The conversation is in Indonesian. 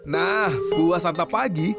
nah buah santa pagi